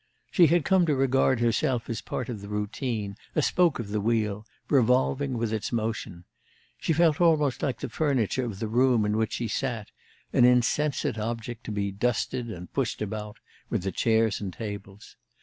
She had come to regard herself as part of the routine, a spoke of the wheel, revolving with its motion; she felt almost like the furniture of the room in which she sat, an insensate object to be dusted and pushed about with the chairs and tables.